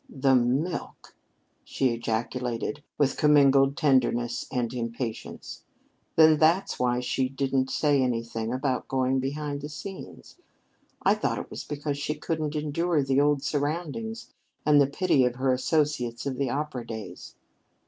"The milk!" she ejaculated with commingled tenderness and impatience. "Then that's why she didn't say anything about going behind the scenes. I thought it was because she couldn't endure the old surroundings and the pity of her associates of the opera days.